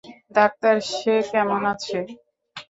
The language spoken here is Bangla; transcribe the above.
ডাক্তার, সে কেমন আছে?